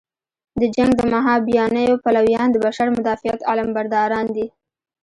د جنګ د مهابیانیو پلویان د بشر مدافعت علمبرداران دي.